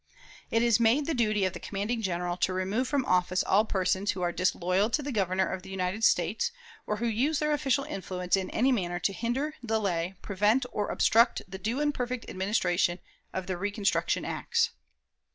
"It is made the duty of the commanding General to remove from office all persons who are disloyal to the Government of the United States, or who use their official influence in any manner to hinder, delay, prevent, or obstruct the due and perfect administration of the reconstruction acts."